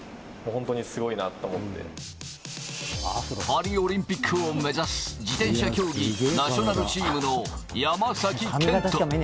パリオリンピックを目指す自転車競技ナショナルチームの山崎賢人。